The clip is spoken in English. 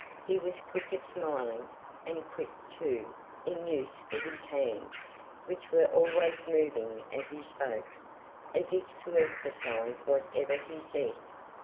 He was quick at smiling, and quick, too, in the use of his hands, which were always moving as he spoke, as if to emphasize whatever he said.